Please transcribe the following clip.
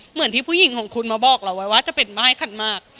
เหมือนที่ผู้หญิงของคุณมาบอกเราไว้ว่าจะเป็นม่ายขันมาก